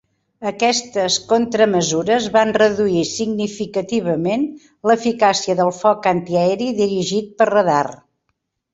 Aquestes contramesures van reduir significativament l'eficàcia del foc antiaeri dirigit per radar.